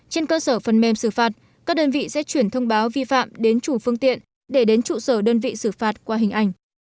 trên cơ sở phần mềm xử phạt các đơn vị sẽ chuyển thông báo vi phạm đến chủ phương tiện để đến trụ sở đơn vị xử phạt qua hình ảnh